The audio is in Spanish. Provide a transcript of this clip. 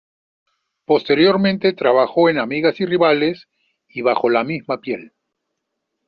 Posteriormente trabajó en "Amigas y Rivales" y "Bajo la Misma Piel".